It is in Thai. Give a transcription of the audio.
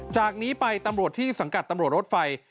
จากนี้ไปตำรวจที่สังกัดตำรวจรถไฟ